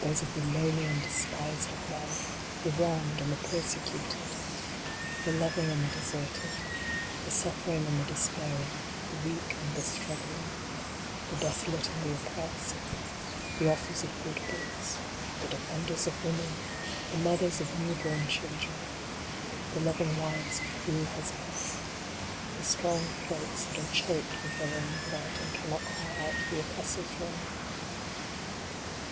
Those of the lowly and despised of men ; The wronged and the persecuted ; The loving and the deserted ; The suffering and the despairing ; The weak and the struggling ; The desolate and the oppressed ; The authors of good books ; The defenders of women ; The mothers of new born children ; The loving wives of cruel husbands ; The strong throats that are choked with theii own blood, and cannot cry out the oppressor s wrong.